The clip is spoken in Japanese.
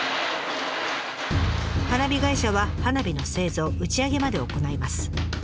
花火会社は花火の製造打ち上げまでを行います。